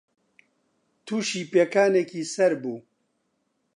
تووشی پێکانێکی سەر بوو